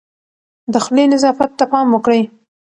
د خولې نظافت ته پام وکړئ.